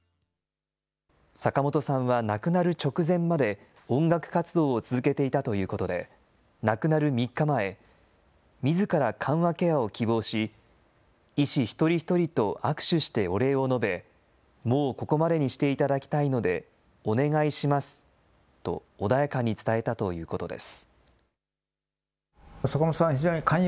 坂本さんは亡くなる直前まで音楽活動を続けていたということで、亡くなる３日前、みずから緩和ケアを希望し、医師一人一人と握手してお礼を述べ、もうここまでにしていただきたいので、お願いしますと穏やかに伝えたということです。